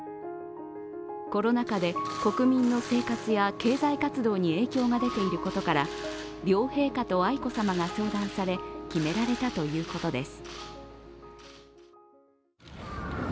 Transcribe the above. コロナ禍で国民の生活や経済活動に影響が出ていることから両陛下と愛子さまが相談され、決められたということです。